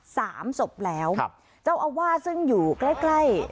สามศพแล้วครับเจ้าอาวาสซึ่งอยู่ใกล้ใกล้